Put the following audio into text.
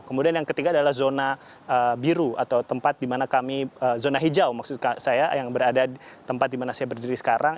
kemudian yang ketiga adalah zona biru atau tempat di mana kami zona hijau maksud saya yang berada di tempat di mana saya berdiri sekarang